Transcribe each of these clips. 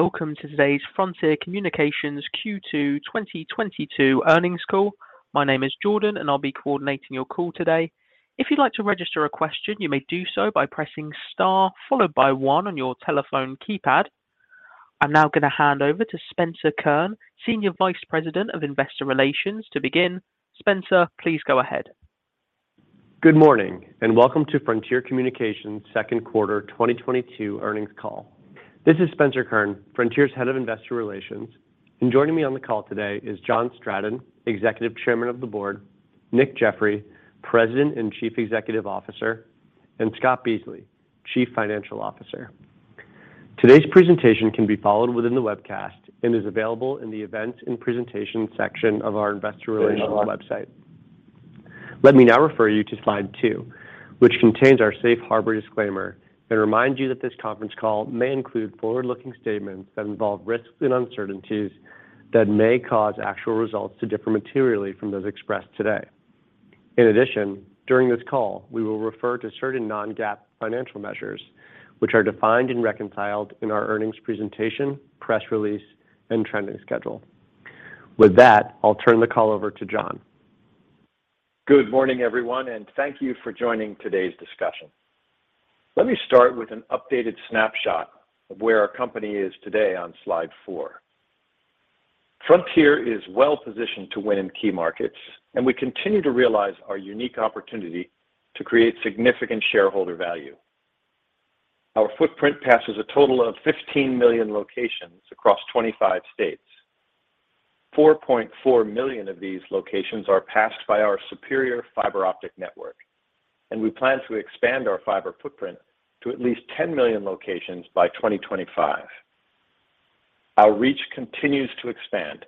Welcome to today's Frontier Communications Q2 2022 earnings call. My name is Jordan, and I'll be coordinating your call today. If you'd like to register a question, you may do so by pressing star followed by one on your telephone keypad. I'm now gonna hand over to Spencer Kurn, Senior Vice President of Investor Relations, to begin. Spencer, please go ahead. Good morning, and welcome to Frontier Communications' second quarter 2022 earnings call. This is Spencer Kurn, Frontier's Head of Investor Relations, and joining me on the call today is John Stratton, Executive Chairman of the Board, Nick Jeffery, President and Chief Executive Officer, and Scott Beasley, Chief Financial Officer. Today's presentation can be followed within the webcast and is available in the Events and Presentation section of our investor relations website. Let me now refer you to slide two, which contains our safe harbor disclaimer, and remind you that this conference call may include forward-looking statements that involve risks and uncertainties that may cause actual results to differ materially from those expressed today. In addition, during this call, we will refer to certain non-GAAP financial measures, which are defined and reconciled in our earnings presentation, press release, and trending schedule. With that, I'll turn the call over to John. Good morning, everyone, and thank you for joining today's discussion. Let me start with an updated snapshot of where our company is today on slide four. Frontier is well-positioned to win in key markets, and we continue to realize our unique opportunity to create significant shareholder value. Our footprint passes a total of 15 million locations across 25 states. 4.4 million of these locations are passed by our superior fiber optic network, and we plan to expand our fiber footprint to at least 10 million locations by 2025. Our reach continues to expand,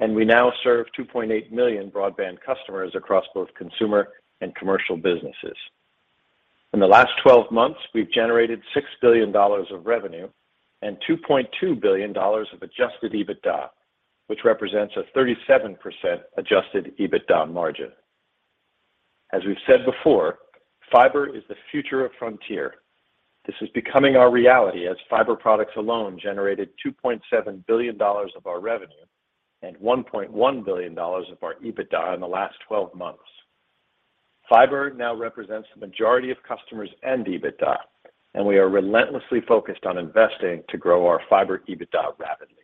and we now serve 2.8 million broadband customers across both consumer and commercial businesses. In the last 12 months, we've generated $6 billion of revenue and $2.2 billion of adjusted EBITDA, which represents a 37% adjusted EBITDA margin. As we've said before, fiber is the future of Frontier. This is becoming our reality as fiber products alone generated $2.7 billion of our revenue and $1.1 billion of our EBITDA in the last 12 months. Fiber now represents the majority of customers and EBITDA, and we are relentlessly focused on investing to grow our fiber EBITDA rapidly.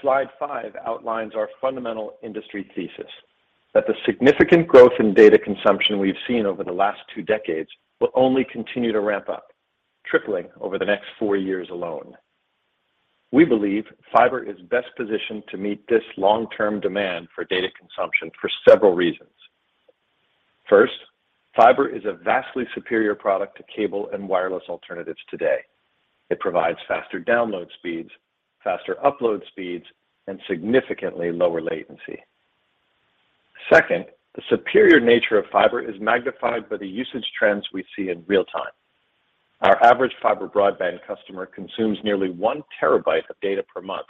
Slide five outlines our fundamental industry thesis that the significant growth in data consumption we've seen over the last two decades will only continue to ramp up, tripling over the next four years alone. We believe fiber is best positioned to meet this long-term demand for data consumption for several reasons. First, fiber is a vastly superior product to cable and wireless alternatives today. It provides faster download speeds, faster upload speeds, and significantly lower latency. Second, the superior nature of fiber is magnified by the usage trends we see in real time. Our average fiber broadband customer consumes nearly 1 Tb of data per month,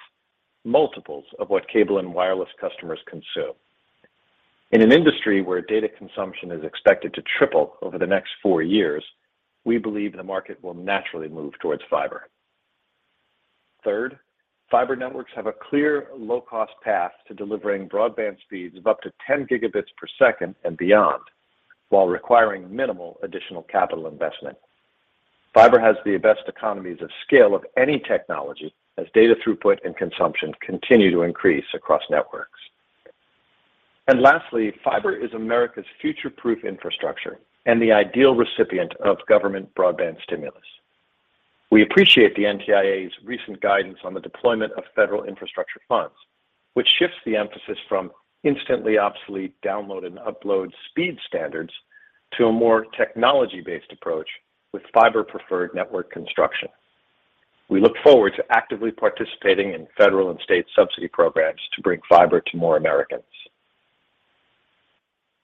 multiples of what cable and wireless customers consume. In an industry where data consumption is expected to triple over the next four years, we believe the market will naturally move towards fiber. Third, fiber networks have a clear low-cost path to delivering broadband speeds of up to 10 Gbps and beyond while requiring minimal additional capital investment. Fiber has the best economies of scale of any technology as data throughput and consumption continue to increase across networks. Lastly, fiber is America's future-proof infrastructure and the ideal recipient of government broadband stimulus. We appreciate the NTIA's recent guidance on the deployment of federal infrastructure funds, which shifts the emphasis from instantly obsolete download and upload speed standards to a more technology-based approach with fiber-preferred network construction. We look forward to actively participating in federal and state subsidy programs to bring fiber to more Americans.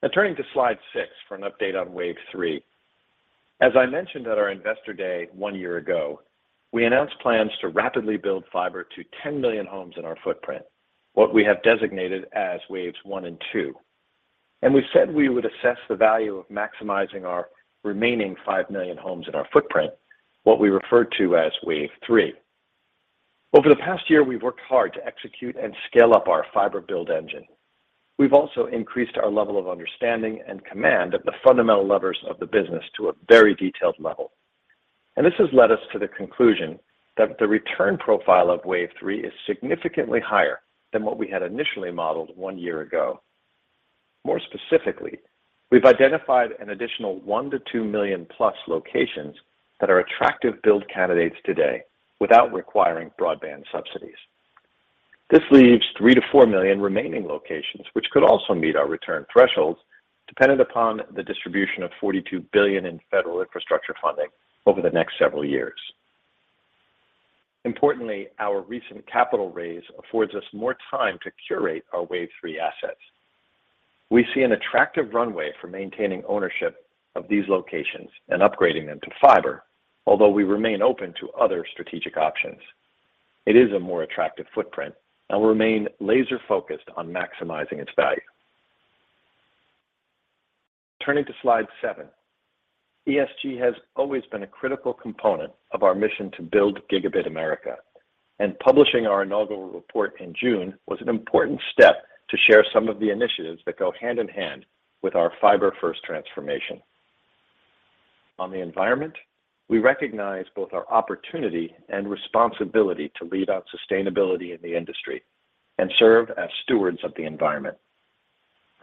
Now turning to slide six for an update on Wave 3. As I mentioned at our Investor Day one year ago, we announced plans to rapidly build fiber to 10 million homes in our footprint, what we have designated as Waves 1 and 2, and we said we would assess the value of maximizing our remaining 5 million homes in our footprint, what we refer to as Wave 3. Over the past year, we've worked hard to execute and scale up our fiber build engine. We've also increased our level of understanding and command of the fundamental levers of the business to a very detailed level, and this has led us to the conclusion that the return profile of Wave 3 is significantly higher than what we had initially modeled one year ago. More specifically, we've identified an additional 1 million-2 million+ locations that are attractive build candidates today without requiring broadband subsidies. This leaves 3 million-4 million remaining locations, which could also meet our return thresholds dependent upon the distribution of $42 billion in federal infrastructure funding over the next several years. Importantly, our recent capital raise affords us more time to curate our Wave 3 assets. We see an attractive runway for maintaining ownership of these locations and upgrading them to fiber, although we remain open to other strategic options. It is a more attractive footprint and will remain laser-focused on maximizing its value. Turning to slide seven. ESG has always been a critical component of our mission to build Gigabit America, and publishing our inaugural report in June was an important step to share some of the initiatives that go hand in hand with our Fiber First transformation. On the environment, we recognize both our opportunity and responsibility to lead our sustainability in the industry and serve as stewards of the environment.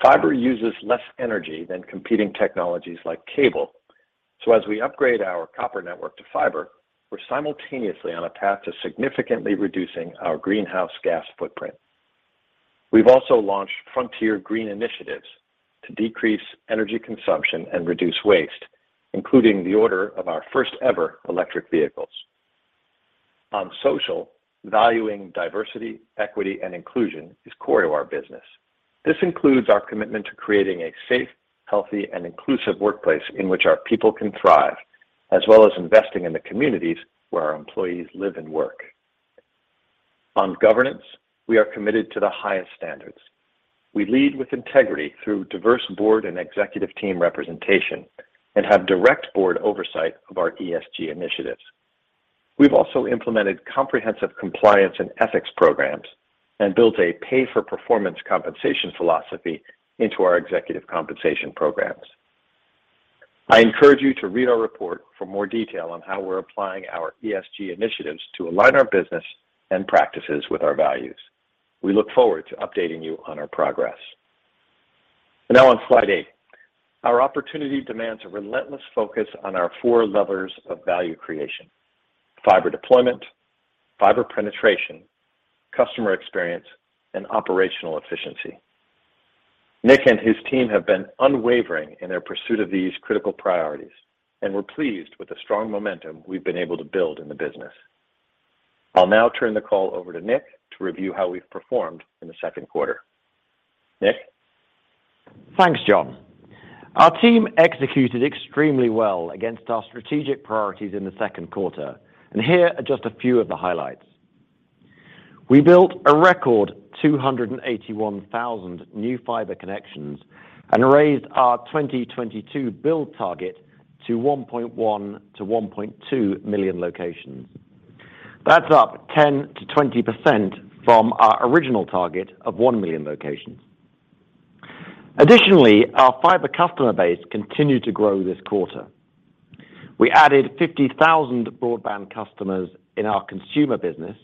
Fiber uses less energy than competing technologies like cable. As we upgrade our copper network to fiber, we're simultaneously on a path to significantly reducing our greenhouse gas footprint. We've also launched Frontier Green initiatives to decrease energy consumption and reduce waste, including the order of our first ever electric vehicles. On social, valuing diversity, equity, and inclusion is core to our business. This includes our commitment to creating a safe, healthy, and inclusive workplace in which our people can thrive, as well as investing in the communities where our employees live and work. On governance, we are committed to the highest standards. We lead with integrity through diverse board and executive team representation and have direct board oversight of our ESG initiatives. We've also implemented comprehensive compliance and ethics programs and built a pay-for-performance compensation philosophy into our executive compensation programs. I encourage you to read our report for more detail on how we're applying our ESG initiatives to align our business and practices with our values. We look forward to updating you on our progress. Now on slide eight. Our opportunity demands a relentless focus on our four levers of value creation, fiber deployment, fiber penetration, customer experience, and operational efficiency. Nick and his team have been unwavering in their pursuit of these critical priorities, and we're pleased with the strong momentum we've been able to build in the business. I'll now turn the call over to Nick to review how we've performed in the second quarter. Nick. Thanks, John. Our team executed extremely well against our strategic priorities in the second quarter, and here are just a few of the highlights. We built a record 281,000 new fiber connections and raised our 2022 build target to 1.1 million to 1.2 million locations. That's up 10%-20% from our original target of 1 million locations. Additionally, our fiber customer base continued to grow this quarter. We added 50,000 broadband customers in our consumer business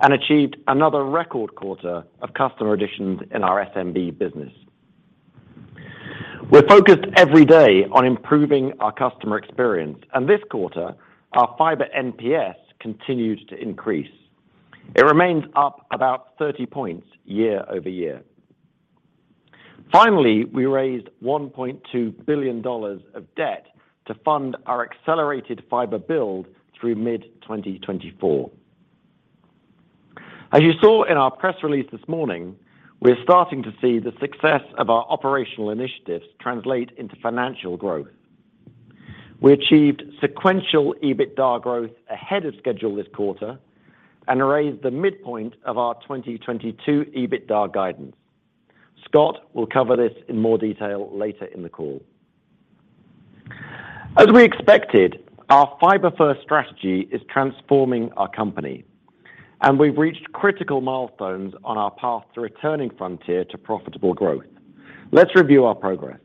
and achieved another record quarter of customer additions in our SMB business. We're focused every day on improving our customer experience, and this quarter, our fiber NPS continues to increase. It remains up about 30 points year-over-year. Finally, we raised $1.2 billion of debt to fund our accelerated fiber build through mid-2024. As you saw in our press release this morning, we're starting to see the success of our operational initiatives translate into financial growth. We achieved sequential EBITDA growth ahead of schedule this quarter and raised the midpoint of our 2022 EBITDA guidance. Scott will cover this in more detail later in the call. As we expected, our Fiber First strategy is transforming our company, and we've reached critical milestones on our path to returning Frontier to profitable growth. Let's review our progress.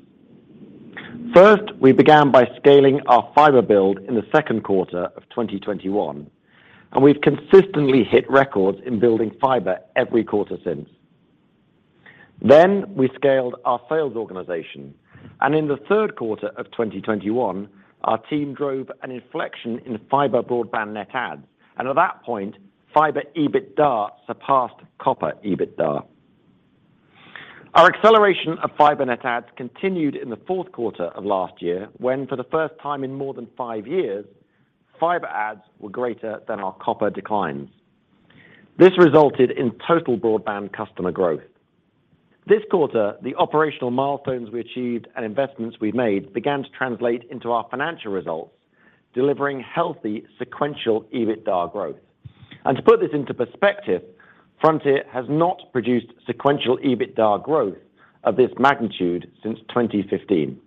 First, we began by scaling our fiber build in the second quarter of 2021, and we've consistently hit records in building fiber every quarter since. Then we scaled our sales organization, and in the third quarter of 2021, our team drove an inflection in fiber broadband net adds, and at that point, fiber EBITDA surpassed copper EBITDA. Our acceleration of fiber net adds continued in the fourth quarter of last year, when for the first time in more than five years, fiber adds were greater than our copper declines. This resulted in total broadband customer growth. This quarter, the operational milestones we achieved and investments we made began to translate into our financial results, delivering healthy sequential EBITDA growth. To put this into perspective, Frontier has not produced sequential EBITDA growth of this magnitude since 2015.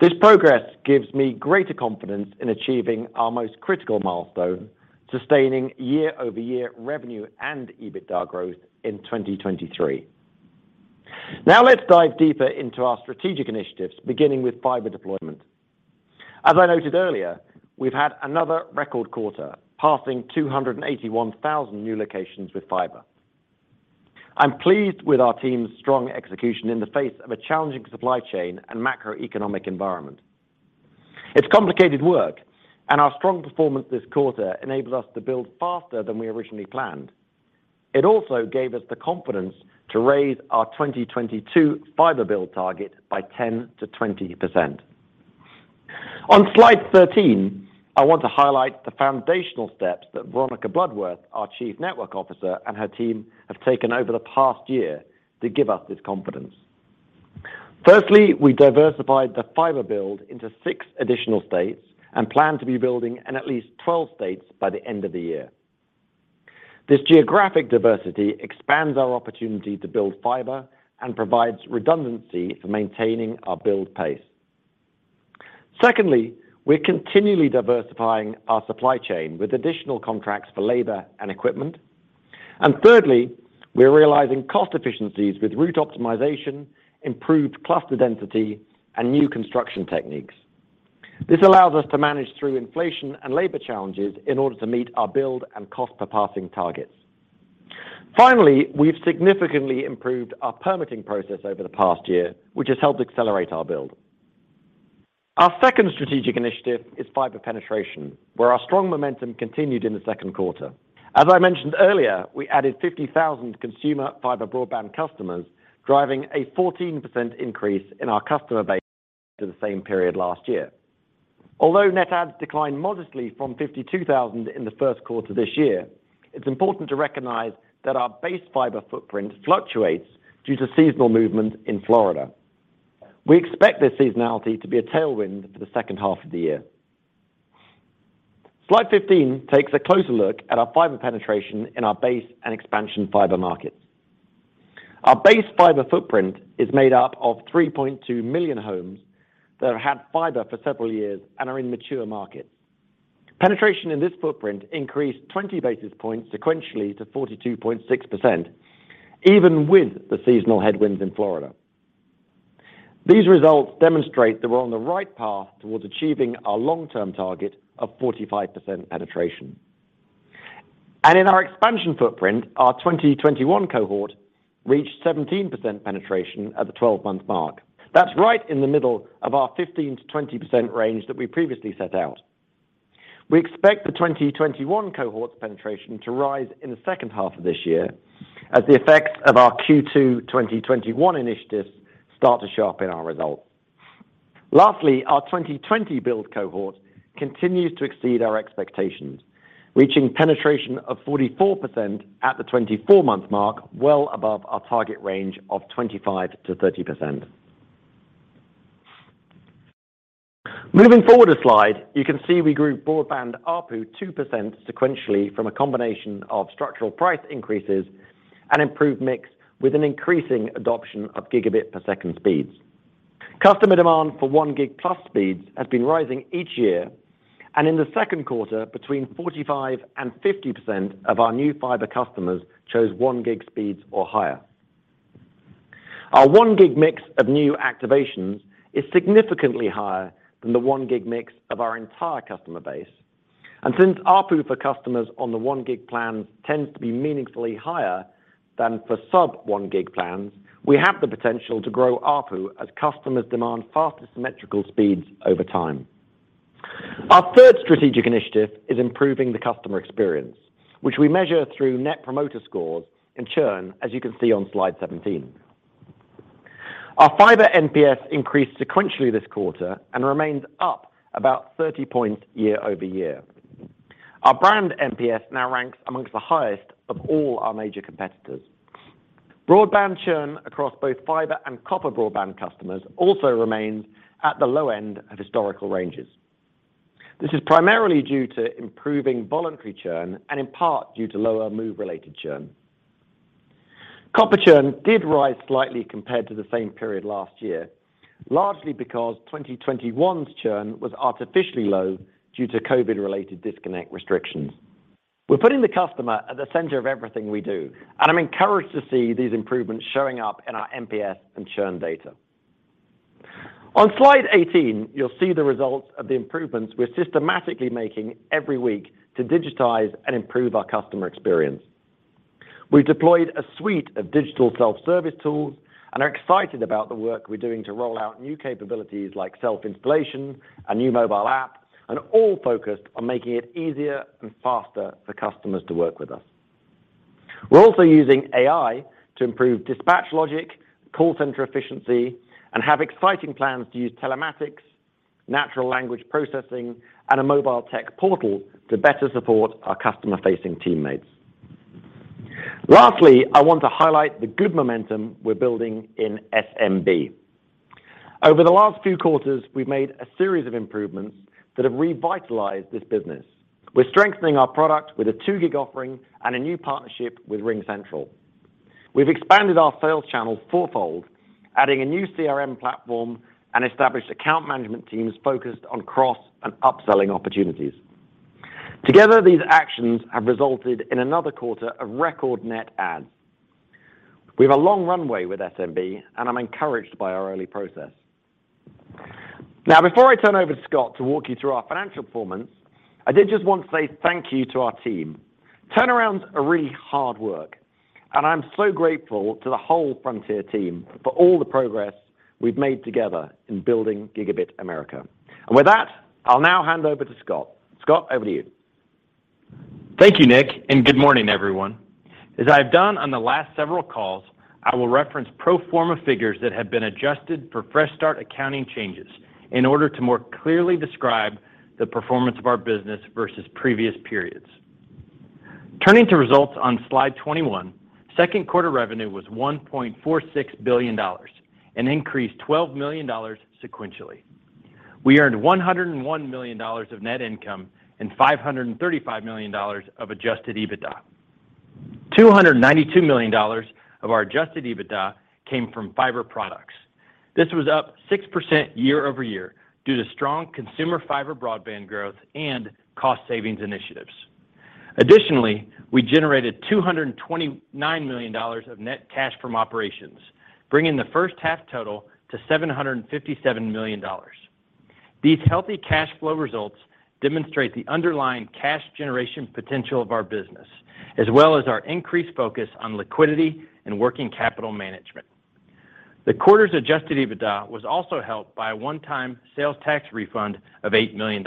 This progress gives me greater confidence in achieving our most critical milestone, sustaining year-over-year revenue and EBITDA growth in 2023. Now let's dive deeper into our strategic initiatives, beginning with fiber deployment. As I noted earlier, we've had another record quarter, passing 281,000 new locations with fiber. I'm pleased with our team's strong execution in the face of a challenging supply chain and macroeconomic environment. It's complicated work, and our strong performance this quarter enables us to build faster than we originally planned. It also gave us the confidence to raise our 2022 fiber build target by 10%-20%. On slide 13, I want to highlight the foundational steps that Veronica Bloodworth, our Chief Network Officer, and her team have taken over the past year to give us this confidence. Firstly, we diversified the fiber build into six additional states and plan to be building in at least 12 states by the end of the year. This geographic diversity expands our opportunity to build fiber and provides redundancy for maintaining our build pace. Secondly, we're continually diversifying our supply chain with additional contracts for labor and equipment. Thirdly, we're realizing cost efficiencies with route optimization, improved cluster density, and new construction techniques. This allows us to manage through inflation and labor challenges in order to meet our build and cost per passing targets. Finally, we've significantly improved our permitting process over the past year, which has helped accelerate our build. Our second strategic initiative is fiber penetration, where our strong momentum continued in the second quarter. As I mentioned earlier, we added 50,000 consumer fiber broadband customers, driving a 14% increase in our customer base to the same period last year. Although net adds declined modestly from 52,000 in the first quarter this year, it's important to recognize that our base fiber footprint fluctuates due to seasonal movement in Florida. We expect this seasonality to be a tailwind for the second half of the year. Slide 15 takes a closer look at our fiber penetration in our base and expansion fiber markets. Our base fiber footprint is made up of 3.2 million homes that have had fiber for several years and are in mature markets. Penetration in this footprint increased 20 basis points sequentially to 42.6%, even with the seasonal headwinds in Florida. These results demonstrate that we're on the right path towards achieving our long-term target of 45% penetration. In our expansion footprint, our 2021 cohort reached 17% penetration at the 12-month mark. That's right in the middle of our 15%-20% range that we previously set out. We expect the 2021 cohort's penetration to rise in the second half of this year as the effects of our Q2 2021 initiatives start to show up in our results. Lastly, our 2020 build cohort continues to exceed our expectations, reaching penetration of 44% at the 24-month mark, well above our target range of 25%-30%. Moving forward a slide, you can see we grew broadband ARPU 2% sequentially from a combination of structural price increases and improved mix with an increasing adoption of gigabit per second speeds. Customer demand for 1 Gbps+ speeds has been rising each year, and in the second quarter, between 45% and 50% of our new fiber customers chose 1 Gbps speeds or higher. Our 1 Gbps mix of new activations is significantly higher than the 1 Gbps mix of our entire customer base. Since ARPU for customers on the 1 Gbps plan tends to be meaningfully higher than for sub-1 Gbps plans, we have the potential to grow ARPU as customers demand faster symmetrical speeds over time. Our third strategic initiative is improving the customer experience, which we measure through net promoter scores and churn, as you can see on slide 17. Our fiber NPS increased sequentially this quarter and remains up about 30 points year-over-year. Our brand NPS now ranks among the highest of all our major competitors. Broadband churn across both fiber and copper broadband customers also remains at the low end of historical ranges. This is primarily due to improving voluntary churn and in part due to lower move-related churn. Copper churn did rise slightly compared to the same period last year, largely because 2021's churn was artificially low due to COVID-related disconnect restrictions. We're putting the customer at the center of everything we do, and I'm encouraged to see these improvements showing up in our NPS and churn data. On slide 18, you'll see the results of the improvements we're systematically making every week to digitize and improve our customer experience. We've deployed a suite of digital self-service tools and are excited about the work we're doing to roll out new capabilities like self-installation, a new mobile app, and all focused on making it easier and faster for customers to work with us. We're also using AI to improve dispatch logic, call center efficiency, and have exciting plans to use telematics, natural language processing, and a mobile tech portal to better support our customer-facing teammates. Lastly, I want to highlight the good momentum we're building in SMB. Over the last few quarters, we've made a series of improvements that have revitalized this business. We're strengthening our product with a 2 Gbps offering and a new partnership with RingCentral. We've expanded our sales channel four-fold, adding a new CRM platform and established account management teams focused on cross and upselling opportunities. Together, these actions have resulted in another quarter of record net adds. We have a long runway with SMB, and I'm encouraged by our early process. Now before I turn over to Scott to walk you through our financial performance, I did just want to say thank you to our team. Turnarounds are really hard work, and I'm so grateful to the whole Frontier team for all the progress we've made together in building Gigabit America. With that, I'll now hand over to Scott. Scott, over to you. Thank you, Nick, and good morning, everyone. As I've done on the last several calls, I will reference pro forma figures that have been adjusted for fresh start accounting changes in order to more clearly describe the performance of our business versus previous periods. Turning to results on slide 21, second quarter revenue was $1.46 billion, an increase of $12 million sequentially. We earned $101 million of net income and $535 million of adjusted EBITDA. $292 million of our adjusted EBITDA came from fiber products. This was up 6% year-over-year due to strong consumer fiber broadband growth and cost savings initiatives. Additionally, we generated $229 million of net cash from operations, bringing the first half total to $757 million. These healthy cash flow results demonstrate the underlying cash generation potential of our business, as well as our increased focus on liquidity and working capital management. The quarter's adjusted EBITDA was also helped by a one-time sales tax refund of $8 million.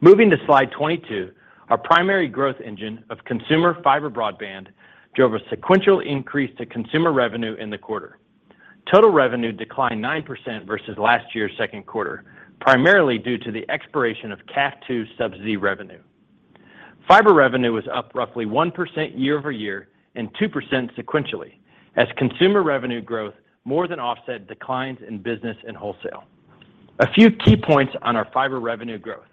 Moving to slide 22, our primary growth engine of consumer fiber broadband drove a sequential increase to consumer revenue in the quarter. Total revenue declined 9% versus last year's second quarter, primarily due to the expiration of CAF II revenue. Fiber revenue was up roughly 1% year-over-year and 2% sequentially as consumer revenue growth more than offset declines in business and wholesale. A few key points on our fiber revenue growth.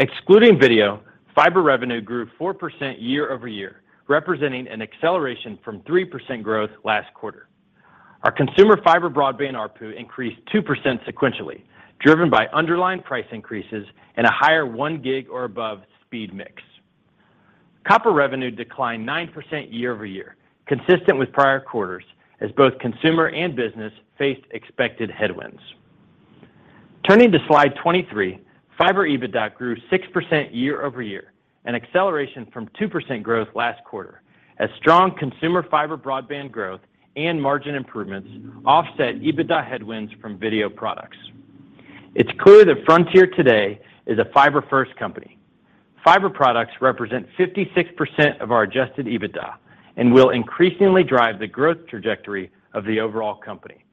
Excluding video, fiber revenue grew 4% year-over-year, representing an acceleration from 3% growth last quarter. Our consumer fiber broadband ARPU increased 2% sequentially, driven by underlying price increases and a higher 1 Gbps or above speed mix. Copper revenue declined 9% year-over-year, consistent with prior quarters as both consumer and business faced expected headwinds. Turning to slide 23, fiber EBITDA grew 6% year-over-year, an acceleration from 2% growth last quarter as strong consumer fiber broadband growth and margin improvements offset EBITDA headwinds from video products. It's clear that Frontier today is a Fiber First company. Fiber products represent 56% of our adjusted EBITDA and will increasingly drive the growth trajectory of the overall company.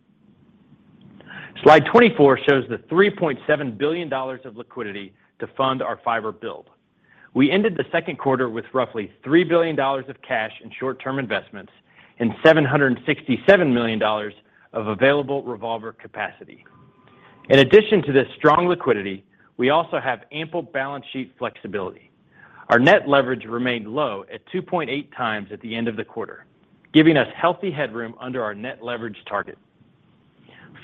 Slide 24 shows the $3.7 billion of liquidity to fund our fiber build. We ended the second quarter with roughly $3 billion of cash in short-term investments and $767 million of available revolver capacity. In addition to this strong liquidity, we also have ample balance sheet flexibility. Our net leverage remained low at 2.8x at the end of the quarter, giving us healthy headroom under our net leverage target.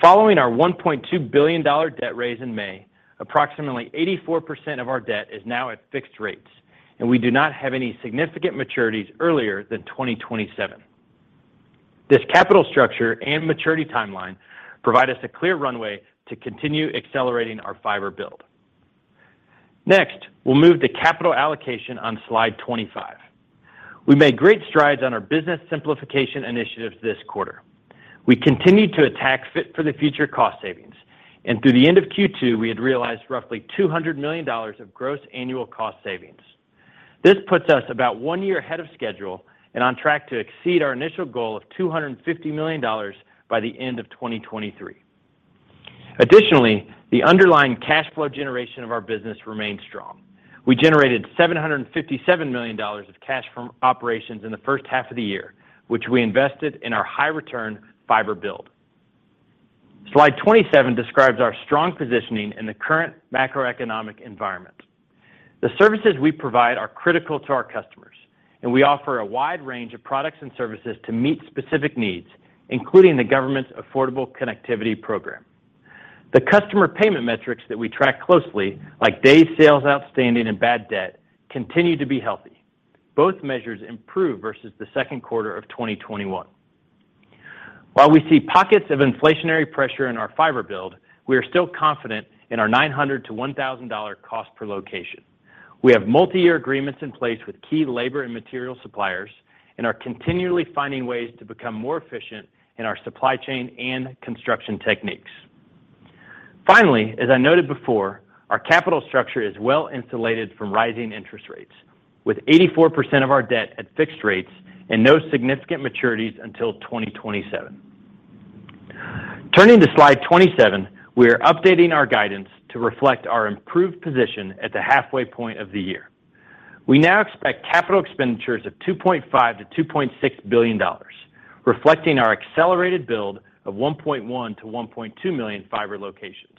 Following our $1.2 billion debt raise in May, approximately 84% of our debt is now at fixed rates, and we do not have any significant maturities earlier than 2027. This capital structure and maturity timeline provide us a clear runway to continue accelerating our fiber build. Next, we'll move to capital allocation on slide 25. We made great strides on our business simplification initiatives this quarter. We continued to attack Fit for the Future cost savings, and through the end of Q2, we had realized roughly $200 million of gross annual cost savings. This puts us about one year ahead of schedule and on track to exceed our initial goal of $250 million by the end of 2023. Additionally, the underlying cash flow generation of our business remained strong. We generated $757 million of cash from operations in the first half of the year, which we invested in our high return fiber build. Slide 27 describes our strong positioning in the current macroeconomic environment. The services we provide are critical to our customers, and we offer a wide range of products and services to meet specific needs, including the government's Affordable Connectivity Program. The customer payment metrics that we track closely, like days sales outstanding and bad debt, continue to be healthy. Both measures improved versus the second quarter of 2021. While we see pockets of inflationary pressure in our fiber build, we are still confident in our $900-$1,000 cost per location. We have multi-year agreements in place with key labor and material suppliers and are continually finding ways to become more efficient in our supply chain and construction techniques. Finally, as I noted before, our capital structure is well insulated from rising interest rates with 84% of our debt at fixed rates and no significant maturities until 2027. Turning to slide 27, we are updating our guidance to reflect our improved position at the halfway point of the year. We now expect capital expenditures of $2.5 billion-$2.6 billion, reflecting our accelerated build of 1.1 million-1.2 million fiber locations.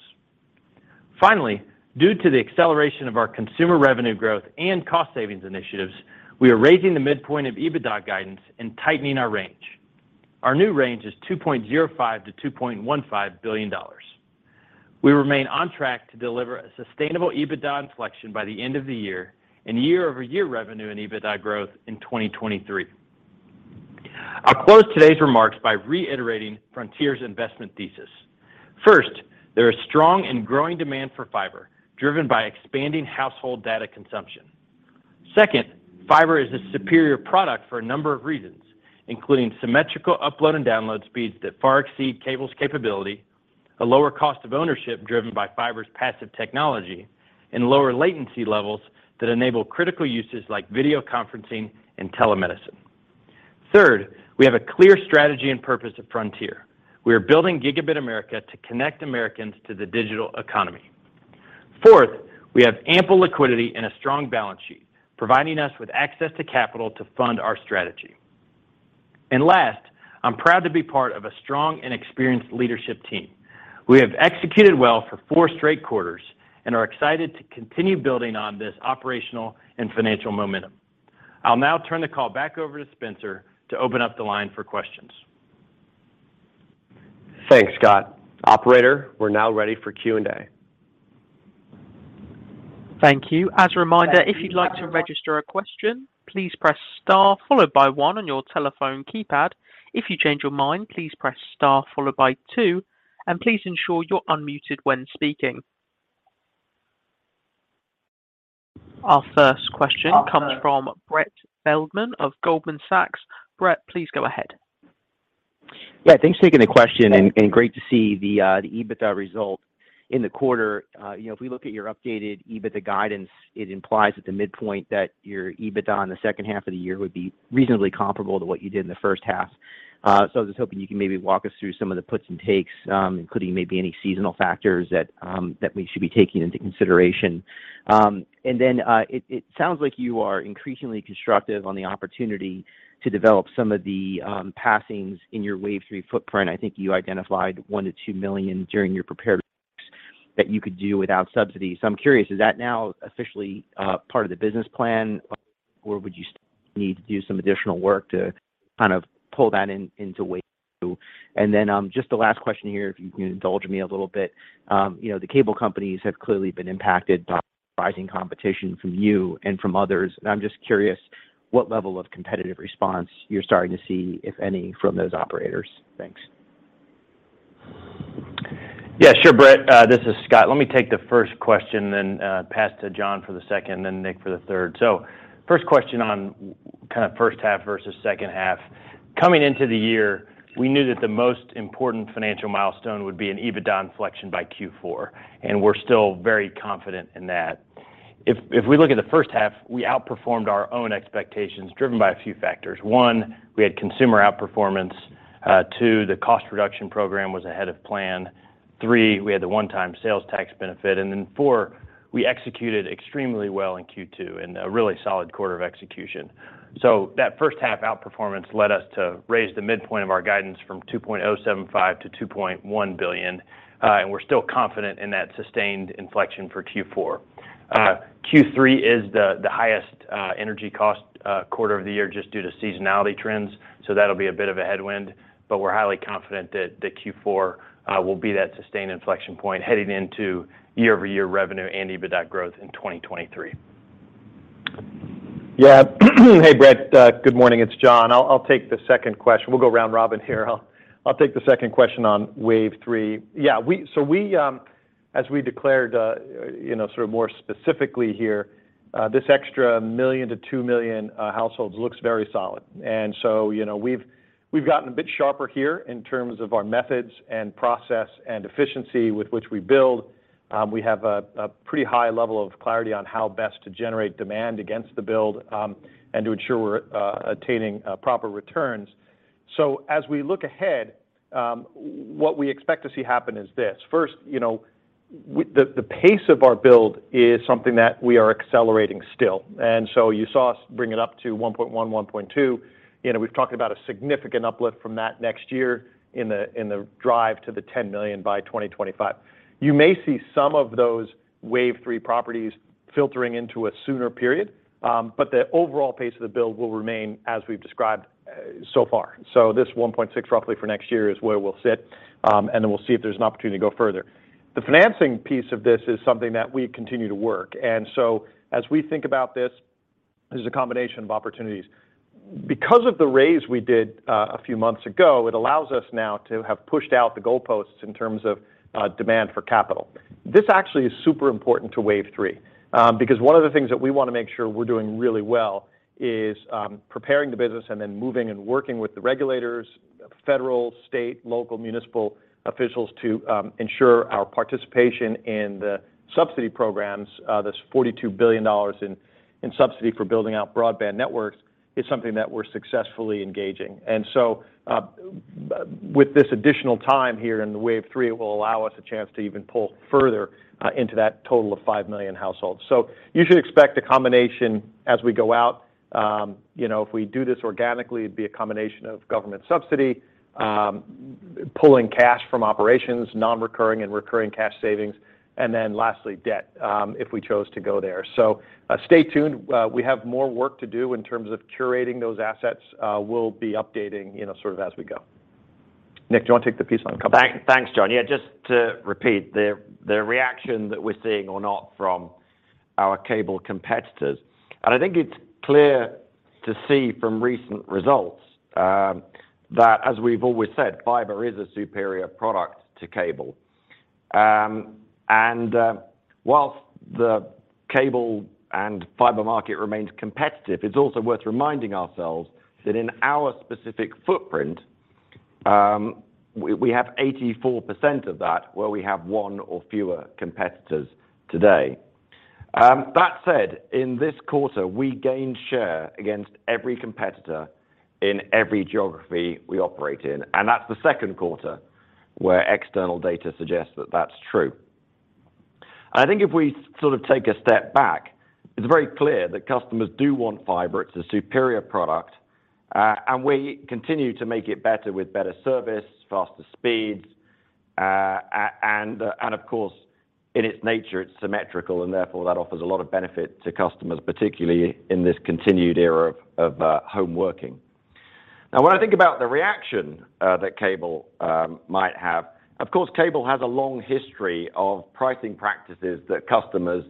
Finally, due to the acceleration of our consumer revenue growth and cost savings initiatives, we are raising the midpoint of EBITDA guidance and tightening our range. Our new range is $2.05 billion-$2.15 billion. We remain on track to deliver a sustainable EBITDA inflection by the end of the year and year-over-year revenue and EBITDA growth in 2023. I'll close today's remarks by reiterating Frontier's investment thesis. First, there is strong and growing demand for fiber, driven by expanding household data consumption. Second, fiber is a superior product for a number of reasons, including symmetrical upload and download speeds that far exceed cable's capability, a lower cost of ownership driven by fiber's passive technology, and lower latency levels that enable critical uses like video conferencing and telemedicine. Third, we have a clear strategy and purpose at Frontier. We are building Gigabit America to connect Americans to the digital economy. Fourth, we have ample liquidity and a strong balance sheet, providing us with access to capital to fund our strategy. Last, I'm proud to be part of a strong and experienced leadership team. We have executed well for four straight quarters and are excited to continue building on this operational and financial momentum. I'll now turn the call back over to Spencer to open up the line for questions. Thanks, Scott. Operator, we're now ready for Q&A. Thank you. As a reminder, if you'd like to register a question, please press star followed by one on your telephone keypad. If you change your mind, please press star followed by two, and please ensure you're unmuted when speaking. Our first question comes from Brett Feldman of Goldman Sachs. Brett, please go ahead. Yeah, thanks for taking the question and great to see the EBITDA result in the quarter. You know, if we look at your updated EBITDA guidance, it implies at the midpoint that your EBITDA in the second half of the year would be reasonably comparable to what you did in the first half. So I was just hoping you could maybe walk us through some of the puts and takes, including maybe any seasonal factors that we should be taking into consideration. And then it sounds like you are increasingly constructive on the opportunity to develop some of the passings in your Wave 3 footprint. I think you identified 1 million-2 million during your prepared that you could do without subsidy. I'm curious, is that now officially part of the business plan, or would you still need to do some additional work to kind of pull that in, into Wave 2? Just the last question here, if you can indulge me a little bit. You know, the cable companies have clearly been impacted by rising competition from you and from others, and I'm just curious what level of competitive response you're starting to see, if any, from those operators? Thanks. Yeah, sure, Brett. This is Scott. Let me take the first question, then pass to John for the second, then Nick for the third. First question on kind of first half versus second half. Coming into the year, we knew that the most important financial milestone would be an EBITDA inflection by Q4, and we're still very confident in that. If we look at the first half, we outperformed our own expectations, driven by a few factors. One, we had consumer outperformance. Two, the cost reduction program was ahead of plan. Three, we had the one-time sales tax benefit. And then four, we executed extremely well in Q2 in a really solid quarter of execution. That first half outperformance led us to raise the midpoint of our guidance from $2.075 billion-$2.1 billion, and we're still confident in that sustained inflection for Q4. Q3 is the highest energy cost quarter of the year just due to seasonality trends, so that'll be a bit of a headwind, but we're highly confident that the Q4 will be that sustained inflection point heading into year-over-year revenue and EBITDA growth in 2023. Yeah. Hey, Brett. Good morning. It's John. I'll take the second question. We'll go round robin here. I'll take the second question on Wave 3. Yeah, as we declared, you know, sort of more specifically here, this extra 1 million-2 million households looks very solid. You know, we've gotten a bit sharper here in terms of our methods and process and efficiency with which we build. We have a pretty high level of clarity on how best to generate demand against the build, and to ensure we're attaining proper returns. As we look ahead, what we expect to see happen is this. First, you know, the pace of our build is something that we are accelerating still. You saw us bring it up to 1.1 million, 1.2 million. You know, we've talked about a significant uplift from that next year in the drive to the 10 million by 2025. You may see some of those Wave 3 properties filtering into a sooner period, but the overall pace of the build will remain as we've described so far. This 1.6 million roughly for next year is where we'll sit, and then we'll see if there's an opportunity to go further. The financing piece of this is something that we continue to work, as we think about this, there's a combination of opportunities. Because of the raise we did a few months ago, it allows us now to have pushed out the goalposts in terms of demand for capital. This actually is super important to Wave 3, because one of the things that we want to make sure we're doing really well is preparing the business and then moving and working with the regulators, federal, state, local, municipal officials to ensure our participation in the subsidy programs. This $42 billion in subsidy for building out broadband networks is something that we're successfully engaging. With this additional time here in the Wave 3, it will allow us a chance to even pull further into that total of 5 million households. You should expect a combination as we go out. You know, if we do this organically, it'd be a combination of government subsidy, pulling cash from operations, non-recurring and recurring cash savings, and then lastly, debt if we chose to go there. Stay tuned. We have more work to do in terms of curating those assets. We'll be updating, you know, sort of as we go. Nick, do you want to take the piece on competition? Thanks, John. Yeah, just to repeat the reaction that we're seeing or not from our cable competitors. I think it's clear to see from recent results that as we've always said, fiber is a superior product to cable. While the cable and fiber market remains competitive, it's also worth reminding ourselves that in our specific footprint, we have 84% of that where we have one or fewer competitors today. That said, in this quarter, we gained share against every competitor in every geography we operate in, and that's the second quarter where external data suggests that that's true. I think if we sort of take a step back, it's very clear that customers do want fiber. It's a superior product. We continue to make it better with better service, faster speeds. Of course, in its nature, it's symmetrical and therefore that offers a lot of benefit to customers, particularly in this continued era of home working. Now, when I think about the reaction that cable might have. Of course, cable has a long history of pricing practices that customers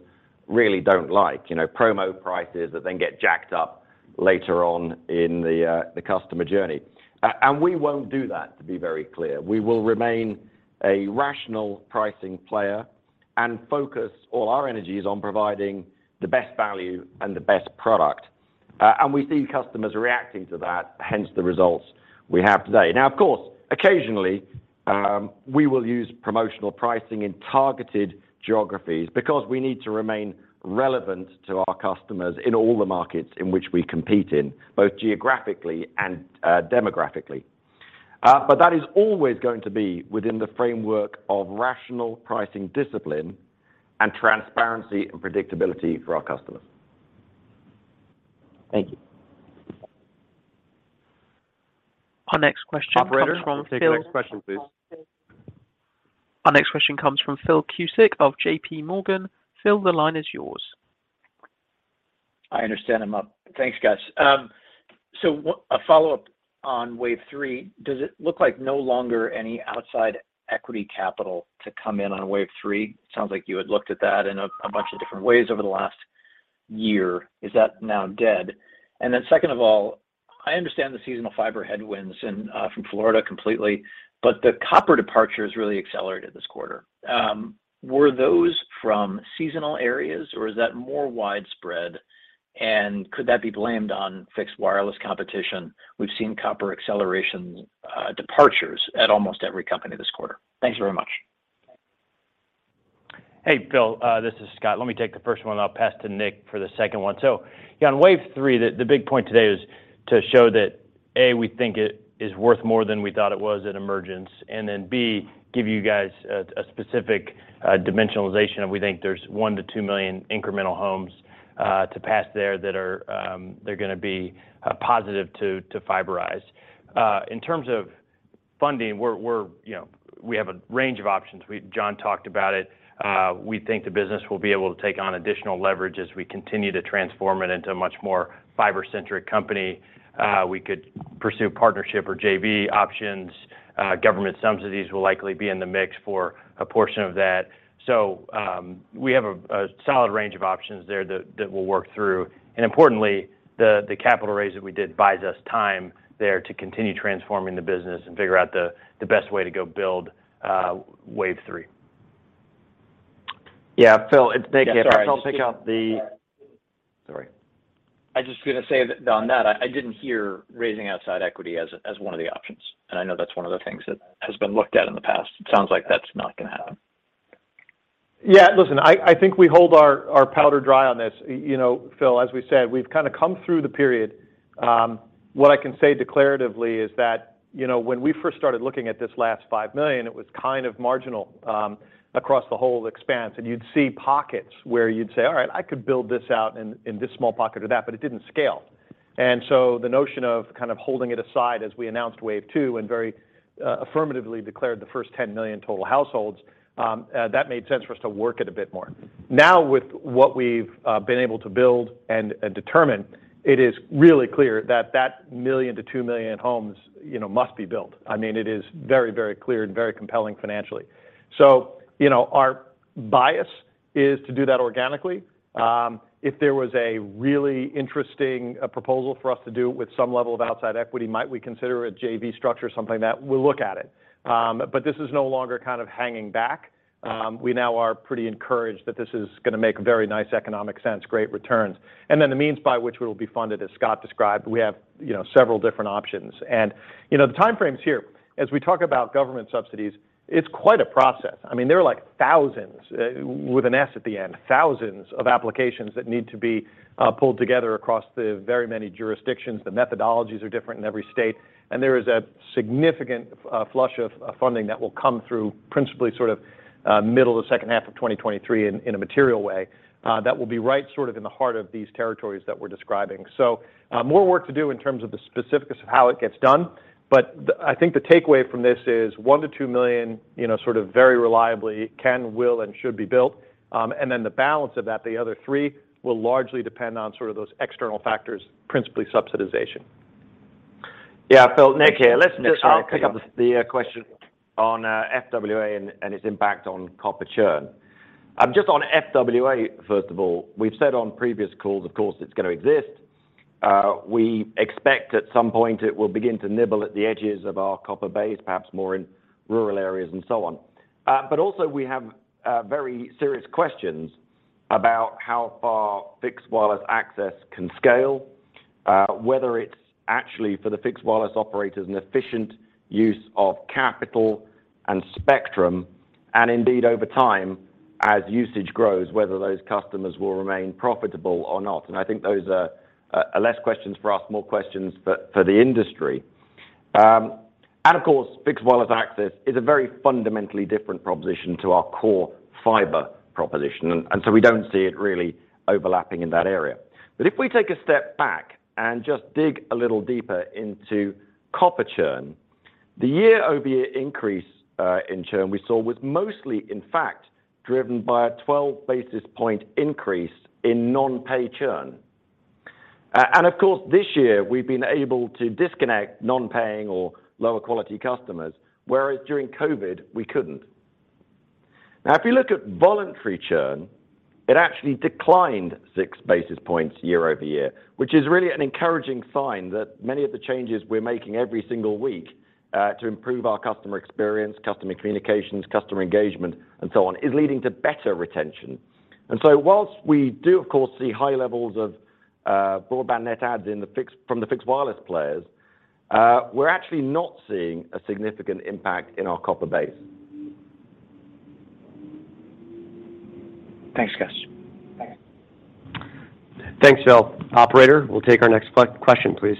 really don't like. You know, promo prices that then get jacked up later on in the customer journey. We won't do that to be very clear. We will remain a rational pricing player and focus all our energies on providing the best value and the best product. We see customers reacting to that, hence the results we have today. Now, of course, occasionally, we will use promotional pricing in targeted geographies because we need to remain relevant to our customers in all the markets in which we compete in, both geographically and demographically. That is always going to be within the framework of rational pricing discipline and transparency and predictability for our customers. Thank you. Our next question comes from Phil. Operator, we'll take the next question, please. Our next question comes from Philip Cusick of J.P. Morgan. Phil, the line is yours. I understand. I'm up. Thanks, guys. A follow-up on Wave 3. Does it look like no longer any outside equity capital to come in on Wave 3? It sounds like you had looked at that in a bunch of different ways over the last year. Is that now dead? Second of all, I understand the seasonal fiber headwinds and from Florida completely, but the copper departures really accelerated this quarter. Were those from seasonal areas, or is that more widespread, and could that be blamed on fixed wireless competition? We've seen copper acceleration departures at almost every company this quarter. Thanks very much. Hey, Phil, this is Scott. Let me take the first one, and I'll pass to Nick for the second one. Yeah, on Wave 3, the big point today is to show that, A, we think it is worth more than we thought it was at emergence, and then B, give you guys a specific dimensionalization. We think there's 1 million-2 million incremental homes to pass there that are, they're gonna be positive to fiberize. In terms of funding, we're you know, we have a range of options. We John talked about it. We think the business will be able to take on additional leverage as we continue to transform it into a much more fiber-centric company. We could pursue partnership or JV options. Government subsidies will likely be in the mix for a portion of that. We have a solid range of options there that we'll work through. Importantly, the capital raise that we did buys us time there to continue transforming the business and figure out the best way to go build Wave 3. Yeah. Phil, it's Nick here. Yeah. Sorry. Phil, sorry. I was just gonna say that on that, I didn't hear raising outside equity as one of the options, and I know that's one of the things that has been looked at in the past. It sounds like that's not gonna happen. Yeah. Listen, I think we hold our powder dry on this. You know, Phil, as we said, we've kinda come through the period. What I can say declaratively is that, you know, when we first started looking at this last 5 million, it was kind of marginal across the whole expanse, and you'd see pockets where you'd say, "All right. I could build this out in this small pocket or that," but it didn't scale. The notion of kind of holding it aside as we announced Wave 2 and very affirmatively declared the first 10 million total households, that made sense for us to work it a bit more. Now, with what we've been able to build and determine, it is really clear that that 1 million-2 million homes, you know, must be built. I mean, it is very, very clear and very compelling financially. You know, our bias is to do that organically. If there was a really interesting proposal for us to do with some level of outside equity, might we consider a JV structure or something like that? We'll look at it. This is no longer kind of hanging back. We now are pretty encouraged that this is gonna make very nice economic sense, great returns. Then the means by which we'll be funded, as Scott described, we have, you know, several different options. You know, the timeframes here, as we talk about government subsidies, it's quite a process. I mean, there are like thousands with an S at the end, thousands of applications that need to be pulled together across the very many jurisdictions. The methodologies are different in every state, and there is a significant flush of funding that will come through principally sort of middle to second half of 2023 in a material way that will be right sort of in the heart of these territories that we're describing. More work to do in terms of the specifics of how it gets done, but I think the takeaway from this is 1 million-2 million, you know, sort of very reliably can, will, and should be built. Then the balance of that, the other three, will largely depend on sort of those external factors, principally subsidization. Yeah. Phil, Nick here. Nick, sorry. Yeah. I'll pick up the question on FWA and its impact on copper churn. Just on FWA, first of all, we've said on previous calls, of course, it's gonna exist. We expect at some point it will begin to nibble at the edges of our copper base, perhaps more in rural areas and so on. But also we have very serious questions about how far fixed wireless access can scale, whether it's actually for the fixed wireless operators an efficient use of capital and spectrum, and indeed, over time, as usage grows, whether those customers will remain profitable or not. I think those are less questions for us, more questions for the industry. Of course, fixed wireless access is a very fundamentally different proposition to our core fiber proposition, so we don't see it really overlapping in that area. If we take a step back and just dig a little deeper into copper churn, the year-over-year increase in churn we saw was mostly, in fact, driven by a 12 basis point increase in non-pay churn. Of course, this year we've been able to disconnect non-paying or lower quality customers, whereas during COVID, we couldn't. Now, if you look at voluntary churn, it actually declined 6 basis points year-over-year, which is really an encouraging sign that many of the changes we're making every single week to improve our customer experience, customer communications, customer engagement and so on, is leading to better retention. While we do of course see high levels of broadband net adds from the fixed wireless players, we're actually not seeing a significant impact in our copper base. Thanks, guys. Thanks, Phil. Operator, we'll take our next question, please.